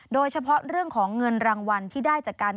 โดยเฉพาะเรื่องของเงินรางวัลที่ได้จากการ